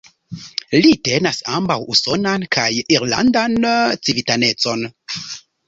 Li tenas ambaŭ usonan kaj irlandan civitanecon.